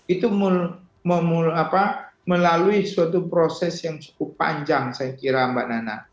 itu melalui suatu proses yang cukup panjang saya kira mbak nana